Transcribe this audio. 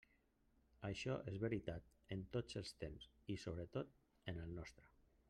Això és veritat en tots els temps, i sobretot en el nostre.